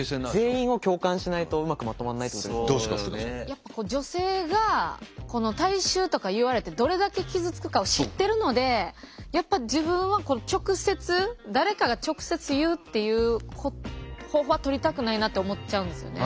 やっぱ女性が体臭とか言われてどれだけ傷つくかを知ってるのでやっぱ自分は直接誰かが直接言うっていう方法はとりたくないなって思っちゃうんですよね。